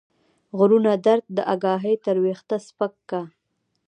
غرونه درد داګاهي تر ويښته سپک کا